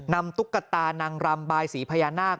ตุ๊กตานางรำบายสีพญานาค